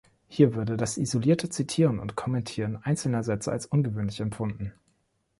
Hier würde das isolierte Zitieren und Kommentieren einzelner Sätze als ungewöhnlich empfunden.